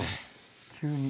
急に。